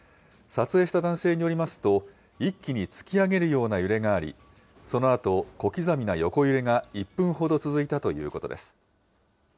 撮影した男性によりますと、一気に突き上げるような揺れがあり、そのあと小刻みな横揺れが１分ほど続いたということです。